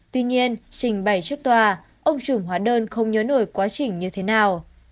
tuy nhiên trình bày trước tòa ông trùng hóa đơn không nhớ nổi quá trình như thế nào